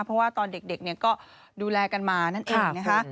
เพราะว่าตอนเด็กก็ดูแลกันมานั่นเองนะคะ